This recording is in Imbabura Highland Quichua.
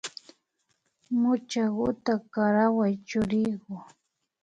Muchakuta karaway churiku